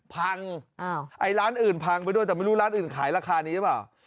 ไอ้ร้านอื่นพังไปด้วยแต่ไม่รู้ร้านอื่นขายราคานี้หรือเปล่า